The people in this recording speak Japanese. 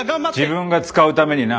自分が使うためにな。